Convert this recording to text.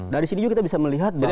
dari sini juga kita bisa melihat